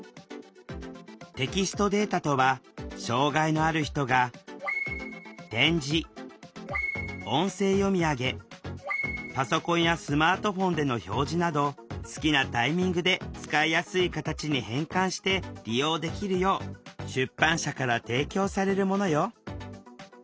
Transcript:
テキストデータとは障害のある人が点字音声読み上げパソコンやスマートフォンでの表示など好きなタイミングで使いやすい形に変換して利用できるよう出版社から提供されるものよ。